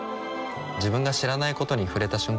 自分が知らないことに触れた瞬間